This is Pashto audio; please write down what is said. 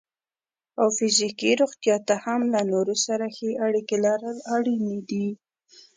او فزیکي روغتیا ته هم له نورو سره ښې اړیکې لرل اړینې دي.